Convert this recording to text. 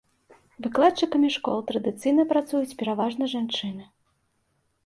Выкладчыкамі школ традыцыйна працуюць пераважна жанчыны.